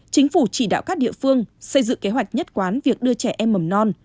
chính phủ chỉ đạo các địa phương xây dựng kế hoạch nhất quán việc đưa trẻ em mầm non